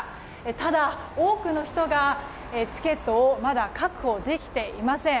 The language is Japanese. ただ、多くの人がチケットをまだ確保できていません。